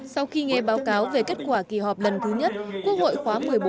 sau khi nghe báo cáo về kết quả kỳ họp lần thứ nhất quốc hội khóa một mươi bốn